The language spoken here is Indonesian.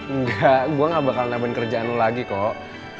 enggak gua gak bakalan nambahin kerjaan lu lagi kok